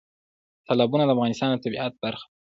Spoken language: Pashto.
تالابونه د افغانستان د طبیعت برخه ده.